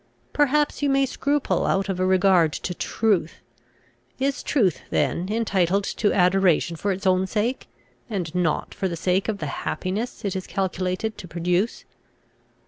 Perhaps you may scruple out of a regard to truth. Is truth then entitled to adoration for its own sake, and not for the sake of the happiness it is calculated to produce?